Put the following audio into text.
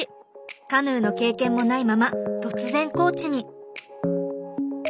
カヌーの経験もないまま突然コーチに。